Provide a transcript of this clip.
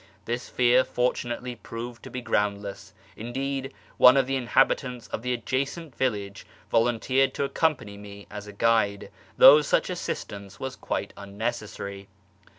This fear fortunately proved to be groundless ; indeed, one of the inhabitants of the adjacent village volunteered to accompany me as a guide, though such assistance was quite unnecessary.